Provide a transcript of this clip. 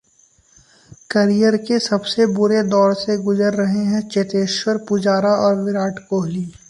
career के सबसे बुरे दौर से गुजर रहे हैं चेतेश्वर पुजारा और विराट कोहली